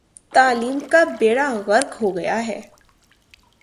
تعلیم کا بیڑہ غرق ہو گیا ہے۔